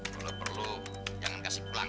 kalau perlu jangan kasih pulang